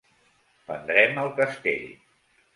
Pendrem el castell.